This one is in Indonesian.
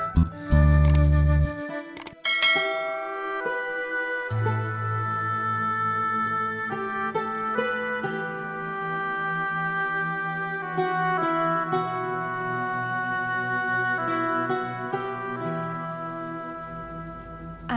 buat minum ya